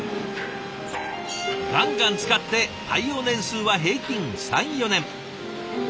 ガンガン使って耐用年数は平均３４年。